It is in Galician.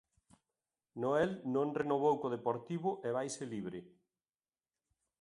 Noel non renovou co Deportivo e vaise libre.